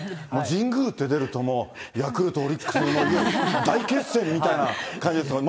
神宮って出ると、もうヤクルト・オリックス、大決戦みたいな感じですもん。